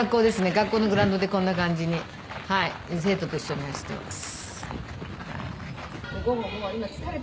学校のグラウンドでこんな感じに生徒と一緒に走っています。